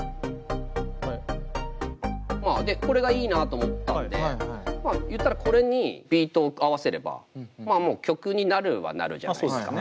でこれがいいなと思ったんで言ったらこれにビートを合わせればもう曲になるはなるじゃないですか。